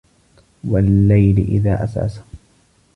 وَاللَّيلِ إِذا عَسعَسَ